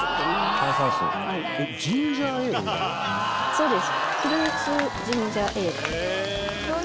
そうです。